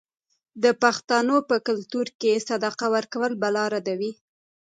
د پښتنو په کلتور کې صدقه ورکول بلا ردوي.